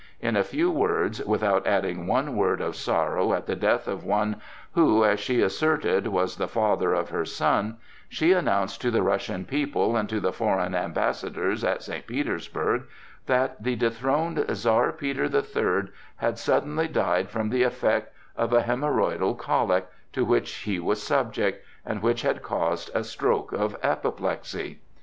In a few words, without adding one word of sorrow at the death of one who, as she asserted, was the father of her son, she announced to the Russian people and to the foreign ambassadors at St. Petersburg that the dethroned Czar Peter the Third, had suddenly died from the effects of a hæmorrhoidal colic, to which he was subject, and which had caused a stroke of apoplexy.